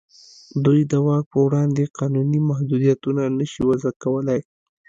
دوی د واک په وړاندې قانوني محدودیتونه نه شي وضع کولای.